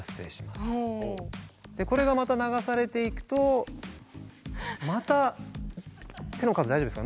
でこれがまた流されていくとまた手の数大丈夫ですか？